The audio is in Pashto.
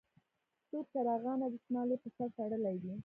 سور چارخانه دستمال یې په سر تړلی وي.